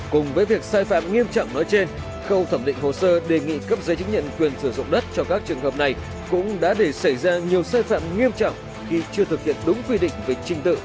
cùng với việc sai phạm nghiêm trọng nói trên khâu thẩm định hồ sơ đề nghị cấp giấy chứng nhận quyền sử dụng đất cho các trường hợp này cũng đã để xảy ra nhiều sai phạm nghiêm trọng khi chưa thực hiện đúng quy định về trình tự